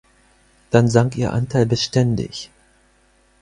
Dann sank ihr Anteil beständig.